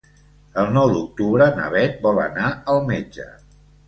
El nou d'octubre na Bet vol anar al metge.